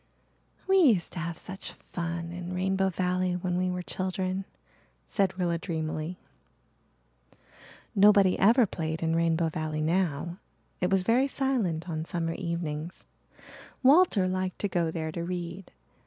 "We used to have such fun in Rainbow Valley when we were children," said Rilla dreamily. Nobody ever played in Rainbow Valley now. It was very silent on summer evenings. Walter liked to go there to read.